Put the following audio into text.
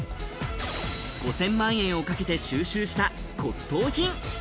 ５０００万円をかけて収集した骨董品。